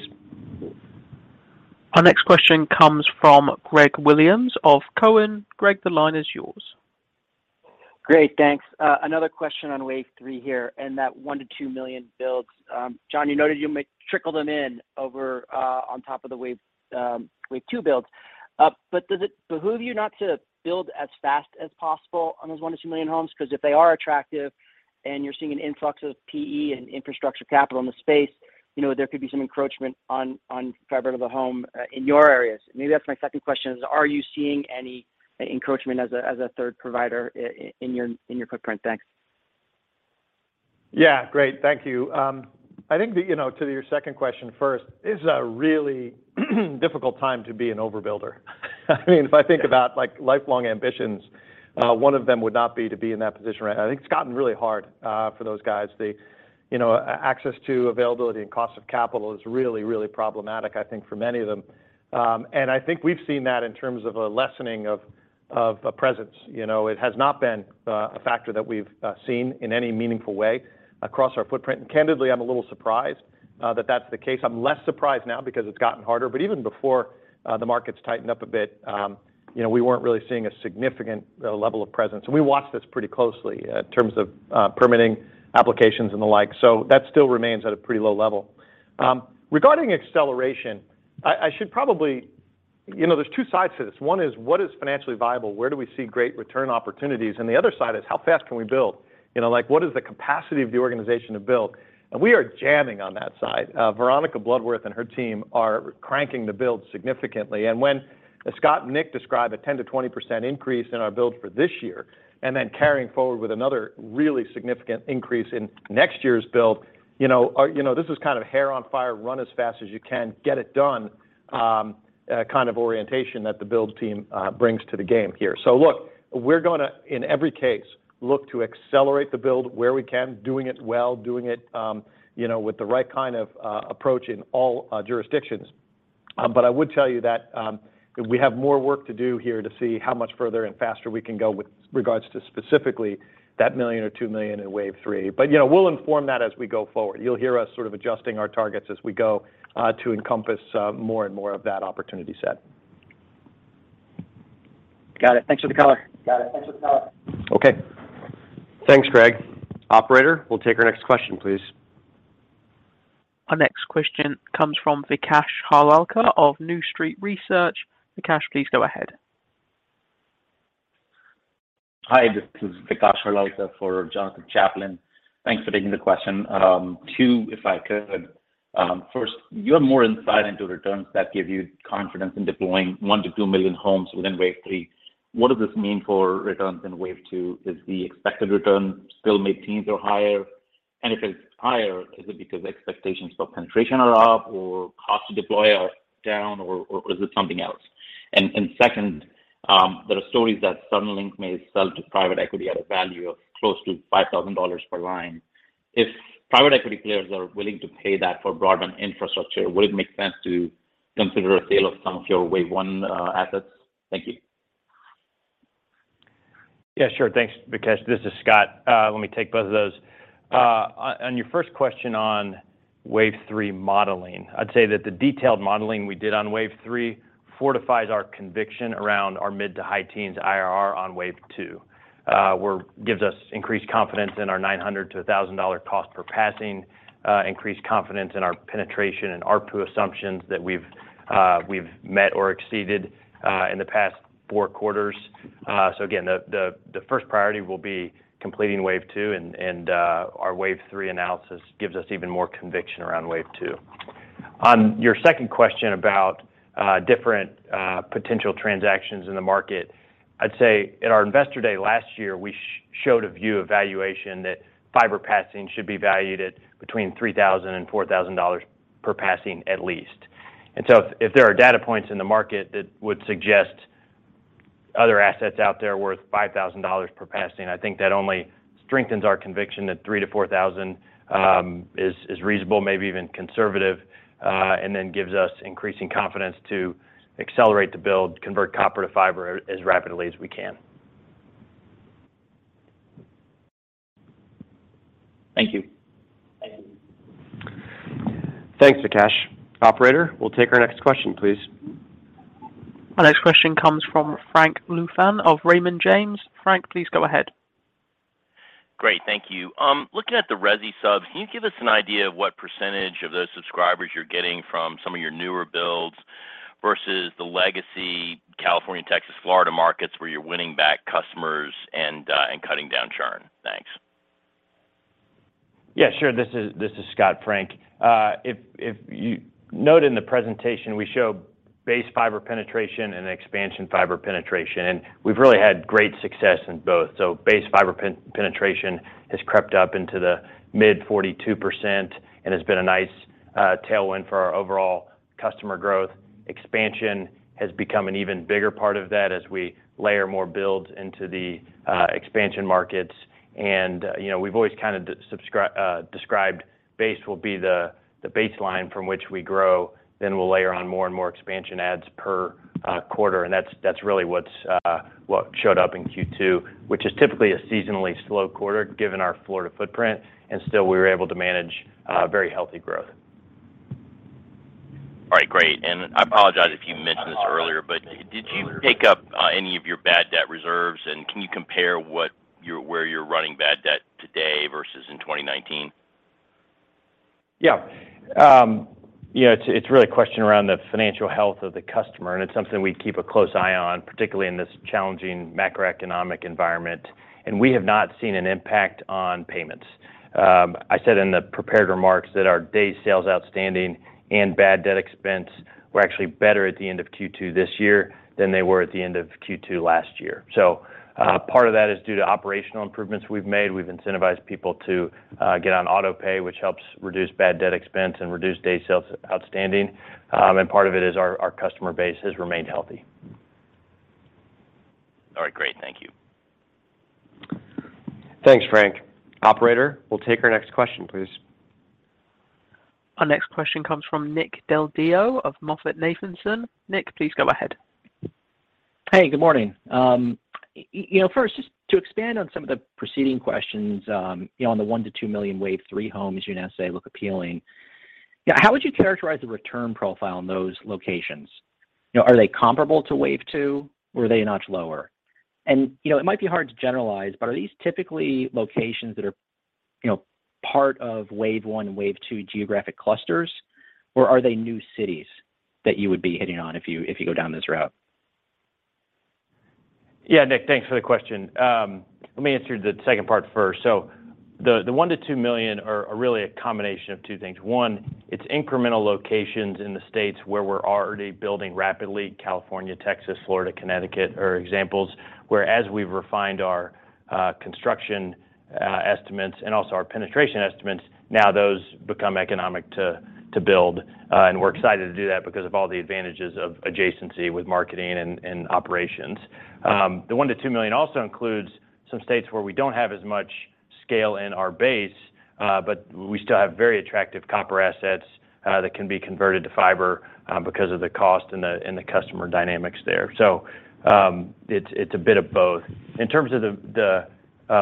Our next question comes from Gregory Williams of Cowen. Greg, the line is yours. Great, thanks. Another question on Wave 3 here, and that 1 million-2 million builds. John, you noted you may trickle them in over, on top of the wave, Wave 2 builds. Does it behoove you not to build as fast as possible on those 1 million-2 million homes? 'Cause if they are attractive and you're seeing an influx of PE and infrastructure capital in the space, you know, there could be some encroachment on fiber to the home in your areas. Maybe that's my second question is, are you seeing any encroachment as a third provider in your footprint? Thanks. Yeah. Great. Thank you. I think that, you know, to your second question first, it's a really difficult time to be an overbuilder. I mean, if I think about, like, lifelong ambitions, one of them would not be to be in that position right now. I think it's gotten really hard for those guys. You know, access, availability and cost of capital is really, really problematic, I think, for many of them. I think we've seen that in terms of a lessening of a presence. You know, it has not been a factor that we've seen in any meaningful way across our footprint. Candidly, I'm a little surprised that that's the case. I'm less surprised now because it's gotten harder, but even before, the markets tightened up a bit, you know, we weren't really seeing a significant level of presence. We watched this pretty closely in terms of permitting applications and the like. That still remains at a pretty low level. Regarding acceleration, I should probably. You know, there's two sides to this. One is what is financially viable? Where do we see great return opportunities? The other side is how fast can we build? You know, like, what is the capacity of the organization to build? We are jamming on that side. Veronica Bloodworth and her team are cranking the build significantly. When Scott and Nick describe a 10%-20% increase in our build for this year, and then carrying forward with another really significant increase in next year's build, you know, this is kind of hair on fire, run as fast as you can, get it done, kind of orientation that the build team brings to the game here. Look, we're gonna, in every case, look to accelerate the build where we can, doing it well, you know, with the right kind of approach in all jurisdictions. I would tell you that we have more work to do here to see how much further and faster we can go with regards to specifically that 1 million or 2 million in Wave 3. You know, we'll inform that as we go forward. You'll hear us sort of adjusting our targets as we go to encompass more and more of that opportunity set. Got it. Thanks for the color. Okay. Thanks, Greg. Operator, we'll take our next question, please. Our next question comes from Vikash Harlalka of New Street Research. Vikash, please go ahead. Hi, this is Vikash Harlalka for Jonathan Chaplin. Thanks for taking the question. Two, if I could. First, you have more insight into returns that give you confidence in deploying 1 million-2 million homes within Wave 3. What does this mean for returns in Wave 2? Is the expected return still mid-teens or higher? And if it's higher, is it because expectations for penetration are up, or cost to deploy are down, or is it something else? Second, there are stories that Suddenlink may sell to private equity at a value of close to $5,000 per line. If private equity players are willing to pay that for broadband infrastructure, would it make sense to consider a sale of some of your Wave 1 assets? Thank you. Yeah, sure. Thanks, Vikash. This is Scott. Let me take both of those. On your first question on Wave 3 modeling, I'd say that the detailed modeling we did on wave three fortifies our conviction around our mid- to high-teens IRR on wave two gives us increased confidence in our $900-$1,000 cost per passing, increased confidence in our penetration and ARPU assumptions that we've met or exceeded in the past four quarters. Again, the first priority will be completing wave two and our wave three analysis gives us even more conviction around Wave 2. On your second question about different potential transactions in the market, I'd say at our Investor Day last year, we showed a view of valuation that fiber passing should be valued at between $3,000 and $4,000 per passing, at least. If there are data points in the market that would suggest other assets out there worth $5,000 per passing, I think that only strengthens our conviction that $3,000-$4,000 is reasonable, maybe even conservative, and then gives us increasing confidence to accelerate the build, convert copper to fiber as rapidly as we can. Thank you. Thanks, Vikash. Operator, we'll take our next question, please. Our next question comes from Frank Louthan of Raymond James. Frank, please go ahead. Great. Thank you. Looking at the resi subs, can you give us an idea of what percentage of those subscribers you're getting from some of your newer builds versus the legacy California, Texas, Florida markets where you're winning back customers and cutting down churn? Thanks. Yeah, sure. This is Scott, Frank. If you note in the presentation, we show base fiber penetration and expansion fiber penetration, and we've really had great success in both. Base fiber penetration has crept up into the mid-42% and has been a nice tailwind for our overall customer growth. Expansion has become an even bigger part of that as we layer more builds into the expansion markets. You know, we've always kind of described base will be the baseline from which we grow, then we'll layer on more and more expansion adds per quarter, and that's really what's showed up in Q2, which is typically a seasonally slow quarter given our Florida footprint, and still we were able to manage very healthy growth. All right, great. I apologize if you mentioned this earlier, but did you take up any of your bad debt reserves? Can you compare where you're running bad debt today versus in 2019? Yeah. You know, it's really a question around the financial health of the customer, and it's something we keep a close eye on, particularly in this challenging macroeconomic environment, and we have not seen an impact on payments. I said in the prepared remarks that our day sales outstanding and bad debt expense were actually better at the end of Q2 this year than they were at the end of Q2 last year. Part of that is due to operational improvements we've made. We've incentivized people to get on auto pay, which helps reduce bad debt expense and reduce day sales outstanding. Part of it is our customer base has remained healthy. All right, great. Thank you. Thanks, Frank. Operator, we'll take our next question, please. Our next question comes from Nick Del Deo of MoffettNathanson. Nick, please go ahead. Hey, good morning. You know, first, just to expand on some of the preceding questions, you know, on the 1 million-2 million Wave 3 homes you now say look appealing. Yeah, how would you characterize the return profile in those locations? You know, are they comparable to Wave 2, or are they a notch lower? You know, it might be hard to generalize, but are these typically locations that are, you know, part of Wave 1 and Wave 2 geographic clusters, or are they new cities that you would be hitting on if you go down this route? Yeah, Nick, thanks for the question. Let me answer the second part first. The 1 million-2 million are really a combination of two things. One, it's incremental locations in the states where we're already building rapidly. California, Texas, Florida, Connecticut are examples where as we've refined our construction estimates and also our penetration estimates, now those become economic to build. We're excited to do that because of all the advantages of adjacency with marketing and operations. The 1 million-2 million also includes some states where we don't have as much scale in our base, but we still have very attractive copper assets that can be converted to fiber, because of the cost and the customer dynamics there. It's a bit of both. In terms of the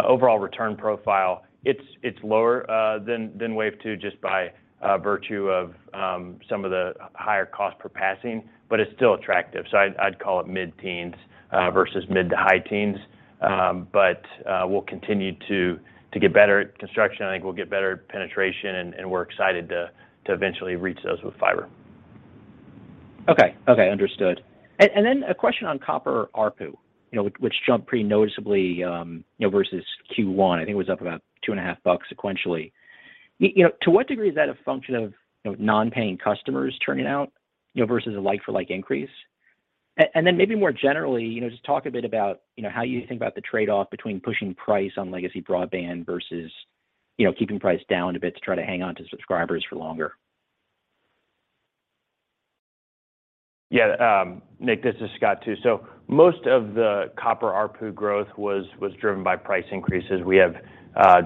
overall return profile, it's lower than Wave 2 just by virtue of some of the higher cost per passing, but it's still attractive. I'd call it mid-teens versus mid to high teens. We'll continue to get better at construction. I think we'll get better at penetration, and we're excited to eventually reach those with fiber. Okay. Understood. A question on copper ARPU, you know, which jumped pretty noticeably, you know, versus Q1. I think it was up about 2.5% sequentially. You know, to what degree is that a function of, you know, non-paying customers churning out, you know, versus a like for like increase? Maybe more generally, you know, just talk a bit about, you know, how you think about the trade-off between pushing price on legacy broadband versus, you know, keeping price down a bit to try to hang on to subscribers for longer. Yeah. Nick, this is Scott too. Most of the copper ARPU growth was driven by price increases. We have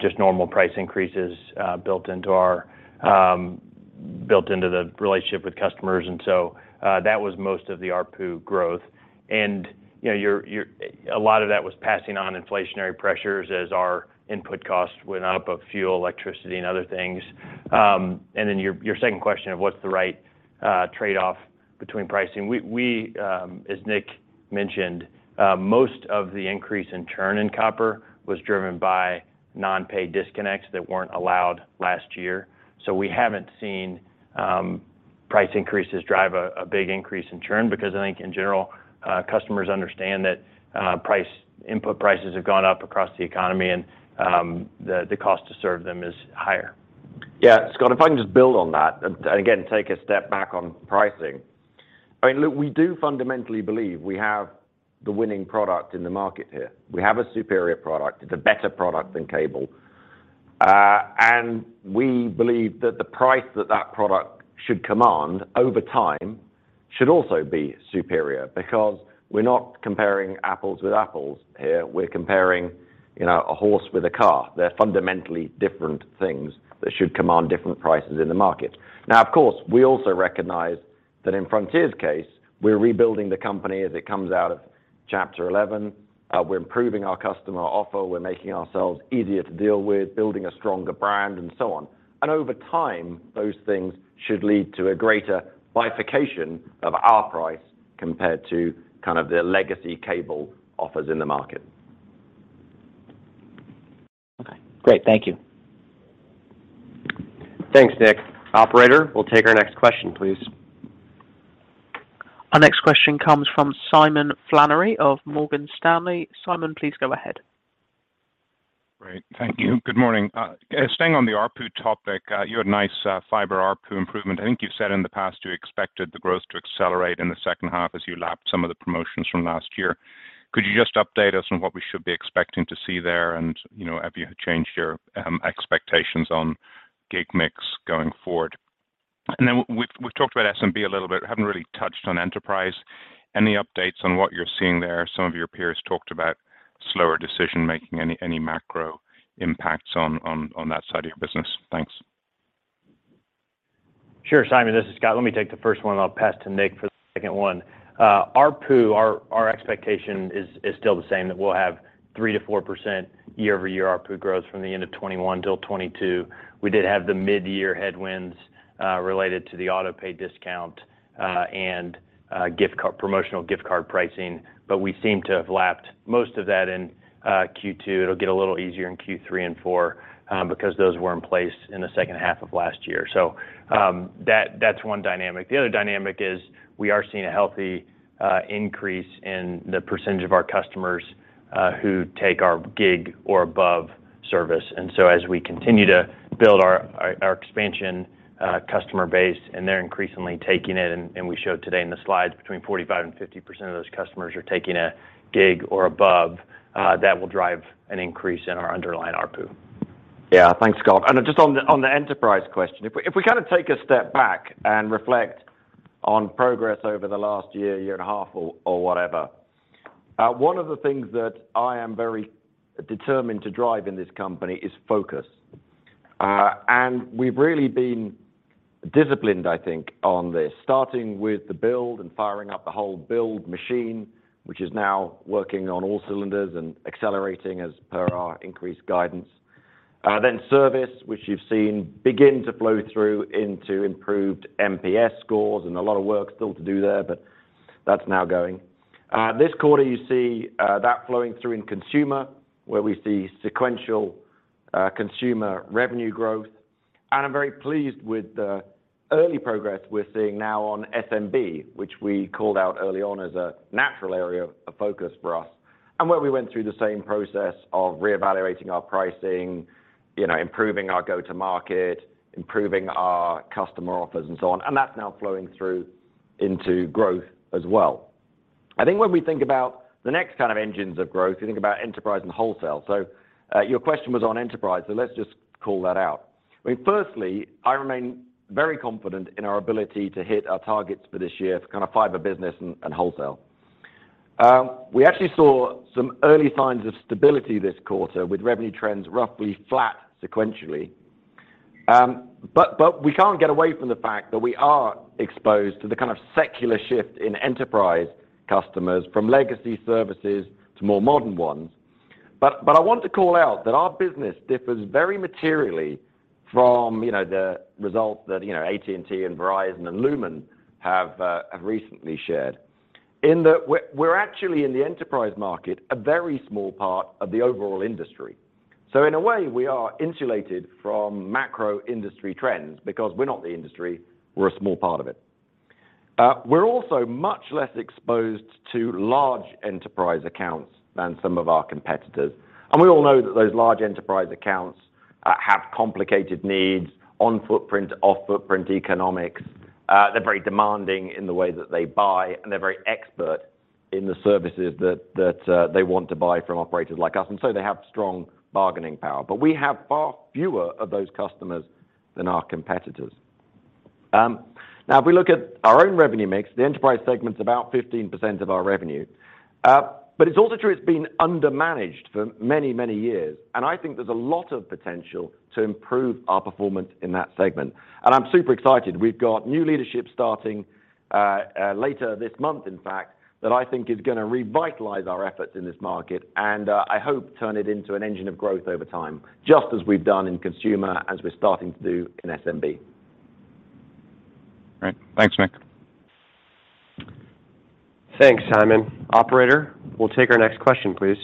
just normal price increases built into the relationship with customers, and so that was most of the ARPU growth. You know, a lot of that was passing on inflationary pressures as our input costs went up of fuel, electricity, and other things. Your second question of what's the right trade-off between pricing. As Nick mentioned, most of the increase in churn in copper was driven by non-pay disconnects that weren't allowed last year. We haven't seen price increases drive a big increase in churn because I think in general customers understand that input prices have gone up across the economy and the cost to serve them is higher. Yeah. Scott, if I can just build on that and again, take a step back on pricing. I mean, look, we do fundamentally believe we have the winning product in the market here. We have a superior product. It's a better product than cable. And we believe that the price that that product should command over time should also be superior because we're not comparing apples with apples here. We're comparing, you know, a horse with a car. They're fundamentally different things that should command different prices in the market. Now, of course, we also recognize that in Frontier's case, we're rebuilding the company as it comes out of chapter 11. We're improving our customer offer, we're making ourselves easier to deal with, building a stronger brand and so on. Over time, those things should lead to a greater bifurcation of our price compared to kind of the legacy cable offers in the market. Okay, great. Thank you. Thanks, Nick. Operator, we'll take our next question, please. Our next question comes from Simon Flannery of Morgan Stanley. Simon, please go ahead. Great. Thank you. Good morning. Staying on the ARPU topic, you had nice fiber ARPU improvement. I think you've said in the past, you expected the growth to accelerate in the second half as you lapped some of the promotions from last year. Could you just update us on what we should be expecting to see there and have you changed your expectations on gig mix going forward? We've talked about SMB a little bit. Haven't really touched on enterprise. Any updates on what you're seeing there? Some of your peers talked about slower decision-making. Any macro impacts on that side of your business? Thanks. Sure, Simon. This is Scott. Let me take the first one, and I'll pass to Nick for the second one. ARPU, our expectation is still the same, that we'll have 3%-4% year-over-year ARPU growth from the end of 2021 till 2022. We did have the mid-year headwinds related to the auto pay discount and promotional gift card pricing, but we seem to have lapped most of that in Q2. It'll get a little easier in Q3 and Q4, because those were in place in the second half of last year. That's one dynamic. The other dynamic is we are seeing a healthy increase in the percentage of our customers who take our gig or above service. As we continue to build our expansion customer base, and they're increasingly taking it, and we showed today in the slides between 45% and 50% of those customers are taking a gig or above, that will drive an increase in our underlying ARPU. Yeah. Thanks, Scott. Just on the enterprise question. If we kind of take a step back and reflect on progress over the last year and a half or whatever. One of the things that I am very determined to drive in this company is focus. We've really been disciplined, I think, on this, starting with the build and firing up the whole build machine, which is now working on all cylinders and accelerating as per our increased guidance. Service, which you've seen begin to flow through into improved NPS scores and a lot of work still to do there, but that's now going. This quarter, you see, that flowing through in consumer, where we see sequential consumer revenue growth. I'm very pleased with the early progress we're seeing now on SMB, which we called out early on as a natural area of focus for us, and where we went through the same process of reevaluating our pricing, you know, improving our go-to-market, improving our customer offers and so on, and that's now flowing through into growth as well. I think when we think about the next kind of engines of growth, you think about enterprise and wholesale. Your question was on enterprise, so let's just call that out. I mean, firstly, I remain very confident in our ability to hit our targets for this year for kind of fiber business and wholesale. We actually saw some early signs of stability this quarter with revenue trends roughly flat sequentially. We can't get away from the fact that we are exposed to the kind of secular shift in enterprise customers from legacy services to more modern ones. I want to call out that our business differs very materially from, you know, the results that, you know, AT&T and Verizon and Lumen have recently shared. We're actually in the enterprise market, a very small part of the overall industry. In a way, we are insulated from macro industry trends because we're not the industry, we're a small part of it. We're also much less exposed to large enterprise accounts than some of our competitors. We all know that those large enterprise accounts have complicated needs on footprint, off footprint economics. They're very demanding in the way that they buy, and they're very expert in the services that they want to buy from operators like us, and so they have strong bargaining power. We have far fewer of those customers than our competitors. Now, if we look at our own revenue mix, the enterprise segment's about 15% of our revenue. It's also true it's been undermanaged for many, many years, and I think there's a lot of potential to improve our performance in that segment. I'm super excited. We've got new leadership starting later this month, in fact, that I think is gonna revitalize our efforts in this market and I hope turn it into an engine of growth over time, just as we've done in consumer, as we're starting to do in SMB. All right. Thanks, Nick. Thanks, Simon. Operator, we'll take our next question, please.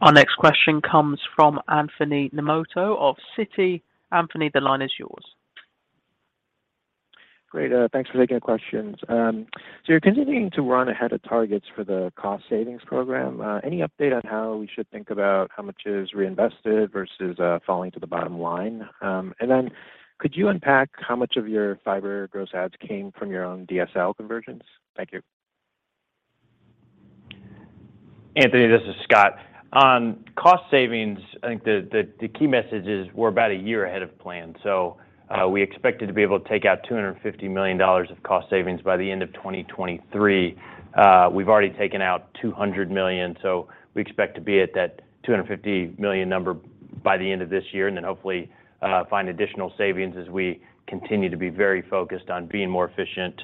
Our next question comes from Anthony Nemoto of Citi. Anthony, the line is yours. Great. Thanks for taking the questions. You're continuing to run ahead of targets for the cost savings program. Any update on how we should think about how much is reinvested versus falling to the bottom line? Could you unpack how much of your fiber gross adds came from your own DSL conversions? Thank you. Anthony, this is Scott. On cost savings, I think the key message is we're about a year ahead of plan. We expected to be able to take out $250 million of cost savings by the end of 2023. We've already taken out $200 million, so we expect to be at that $250 million number by the end of this year, and then hopefully find additional savings as we continue to be very focused on being more efficient,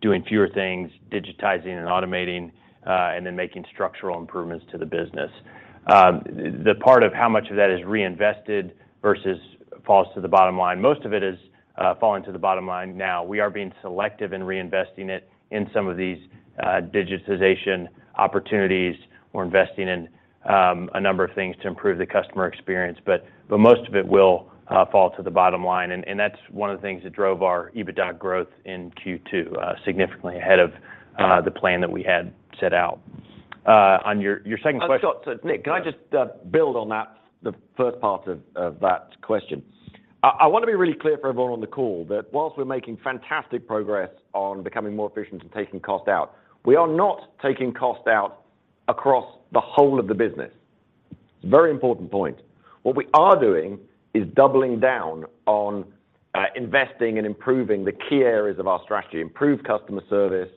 doing fewer things, digitizing and automating, and then making structural improvements to the business. The part of how much of that is reinvested versus falls to the bottom line, most of it is falling to the bottom line now. We are being selective in reinvesting it in some of these digitization opportunities. We're investing in a number of things to improve the customer experience, but most of it will fall to the bottom line and that's one of the things that drove our EBITDA growth in Q2 significantly ahead of the plan that we had set out. On your second question- Scott, so Nick, can I just build on that, the first part of that question? I wanna be really clear for everyone on the call that while we're making fantastic progress on becoming more efficient and taking cost out, we are not taking cost out across the whole of the business. Very important point. What we are doing is doubling down on investing and improving the key areas of our strategy. Improved customer service,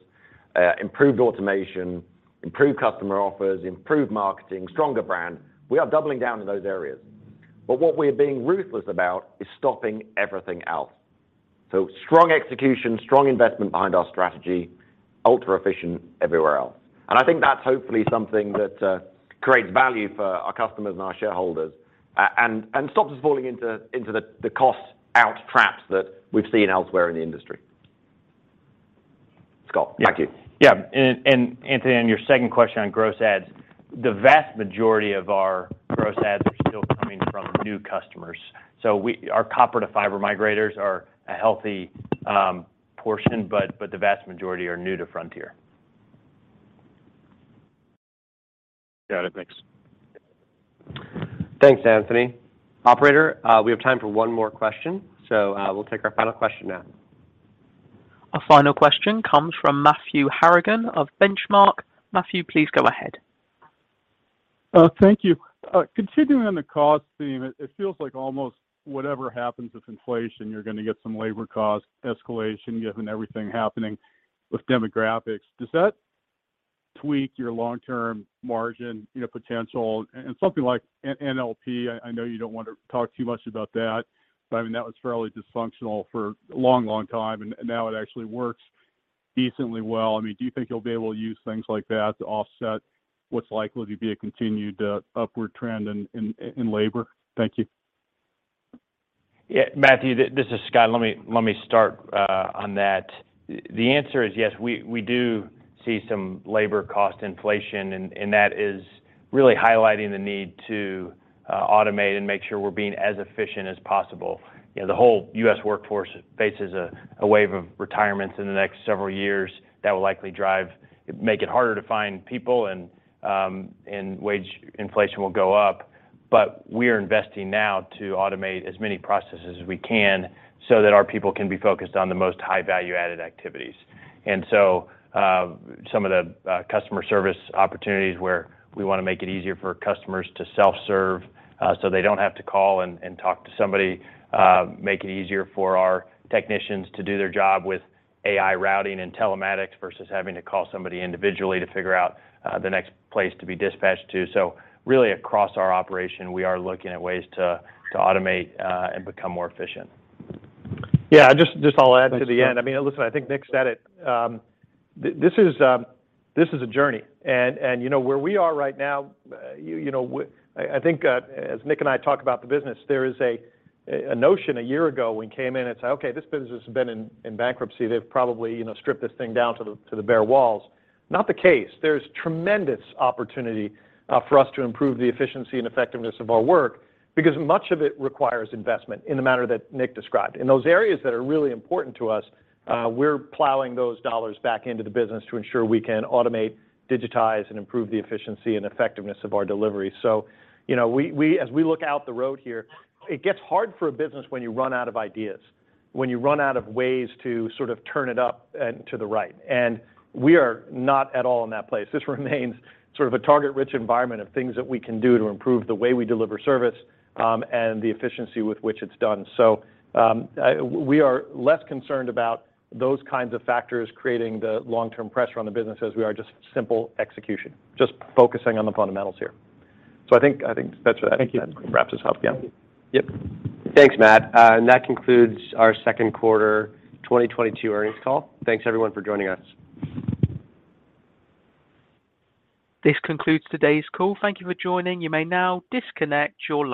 improved automation, improved customer offers, improved marketing, stronger brand. We are doubling down in those areas. What we're being ruthless about is stopping everything else. Strong execution, strong investment behind our strategy, ultra efficient everywhere else. I think that's hopefully something that creates value for our customers and our shareholders and stops us falling into the cost out traps that we've seen elsewhere in the industry. Scott, thank you. Yeah. Anthony, on your second question on gross adds, the vast majority of our gross adds are still coming from new customers, so our copper to fiber migrators are a healthy portion, but the vast majority are new to Frontier. Got it. Thanks. Thanks, Anthony. Operator, we have time for one more question, so, we'll take our final question now. Our final question comes from Matthew Harrigan of Benchmark. Matthew, please go ahead. Thank you. Continuing on the cost theme, it feels like almost whatever happens with inflation, you're gonna get some labor cost escalation given everything happening with demographics. Does that tweak your long-term margin, you know, potential? Something like NLP, I know you don't want to talk too much about that, but I mean, that was fairly dysfunctional for a long, long time, and now it actually works decently well. I mean, do you think you'll be able to use things like that to offset what's likely to be a continued upward trend in labor? Thank you. Yeah. Matthew, this is Scott. Let me start on that. The answer is yes, we do see some labor cost inflation and that is really highlighting the need to automate and make sure we're being as efficient as possible. You know, the whole U.S. workforce faces a wave of retirements in the next several years that will likely make it harder to find people and wage inflation will go up. We are investing now to automate as many processes as we can so that our people can be focused on the most high value-added activities. Some of the customer service opportunities where we wanna make it easier for customers to self-serve, so they don't have to call and talk to somebody, make it easier for our technicians to do their job with AI routing and telematics versus having to call somebody individually to figure out the next place to be dispatched to. Really across our operation, we are looking at ways to automate and become more efficient. Yeah. Just I'll add to the end. I mean, listen, I think Nick said it. This is a journey and you know where we are right now. I think as Nick and I talk about the business, there is a notion a year ago when we came in and said, "Okay, this business has been in bankruptcy. They've probably you know stripped this thing down to the bare walls." Not the case. There's tremendous opportunity for us to improve the efficiency and effectiveness of our work because much of it requires investment in the manner that Nick described. In those areas that are really important to us, we're plowing those dollars back into the business to ensure we can automate, digitize, and improve the efficiency and effectiveness of our delivery. You know, we as we look down the road here, it gets hard for a business when you run out of ideas, when you run out of ways to sort of turn it up and to the right, and we are not at all in that place. This remains sort of a target-rich environment of things that we can do to improve the way we deliver service, and the efficiency with which it's done. We are less concerned about those kinds of factors creating the long-term pressure on the business as we are just simple execution, just focusing on the fundamentals here. I think that's a Thank you. That wraps this up. Yeah. Yep. Thanks, Matt. That concludes our second quarter 2022 earnings call. Thanks everyone for joining us. This concludes today's call. Thank you for joining. You may now disconnect your line.